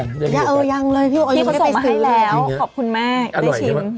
ยังเลยพี่พี่พ่อส่งมาให้แล้วขอบคุณแม่ได้ชิมอร่อยใช่ไหม